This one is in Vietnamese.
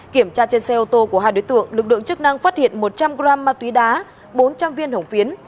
kiểm tra trên xe ô tô của hai đối tượng lực lượng chức năng phát hiện một trăm linh g ma túy đá bốn trăm linh viên hổng phiến